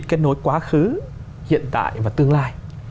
kết nối quá khứ hiện tại và tương lai